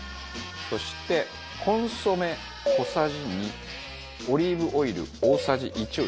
そしてコンソメ小さじ２オリーブオイル大さじ１を入れます。